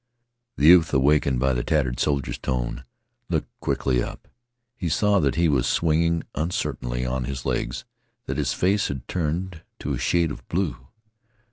The youth, awakened by the tattered soldier's tone, looked quickly up. He saw that he was swinging uncertainly on his legs and that his face had turned to a shade of blue.